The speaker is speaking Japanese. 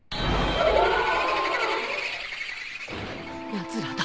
・やつらだ。